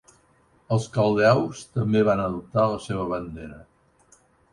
Els caldeus també van adoptar la seva bandera.